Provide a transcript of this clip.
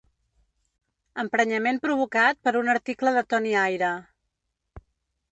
Emprenyament provocat per un article de Toni Aira.